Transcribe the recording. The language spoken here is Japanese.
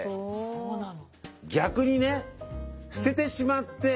そうなの。